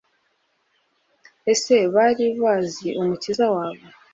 Ese bari bazi Umukiza wabo?